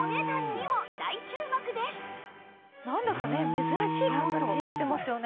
なんだかね珍しい形してますよね。